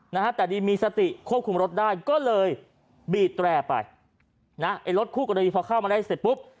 นะฮะแต่ดีมีสติควบคุมรถได้ก็เลยบีบแตรไปนะไอ้รถคู่กรณีพอเข้ามาได้เสร็จปุ๊บ